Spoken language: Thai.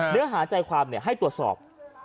เนื้อหาใจความให้ตรวจสอบ